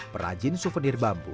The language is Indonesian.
perajin suvenir bambu